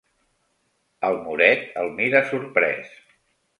El moret el mira sorprès.